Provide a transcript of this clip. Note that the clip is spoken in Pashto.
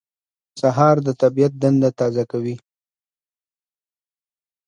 سهار د طبیعت دنده تازه کوي.